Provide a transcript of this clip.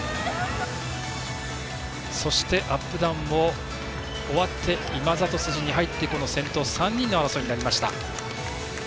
そして、アップダウンを終わって今里筋に入ってこの先頭３人の争いになりました。